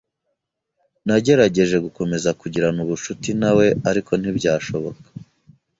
[S] Nagerageje gukomeza kugirana ubucuti na we, ariko ntibyashoboka.